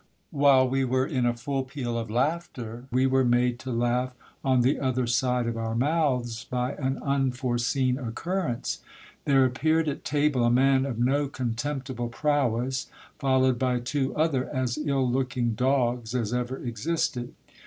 While we were in a full peal of laughter, we were made to laugh on the other side of our mouths by an unforeseen occur rence. There appeared at table a man of no contemptible prowess, followed by two other as ill looking dogs as ever existed.